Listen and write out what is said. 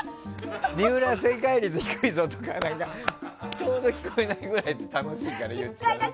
水卜、正解率低いぞとかちょうど聞こえないくらいで楽しいから言ってた。